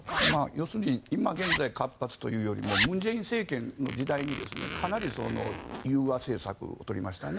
要するに今現在、活発というよりも文在寅政権の時代にかなり融和政策を取りましたね。